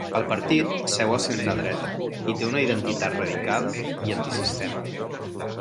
El partit seu al centredreta i té una identitat radical i antisistema.